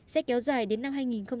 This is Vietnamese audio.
sẽ kéo dài đến năm hai nghìn một mươi chín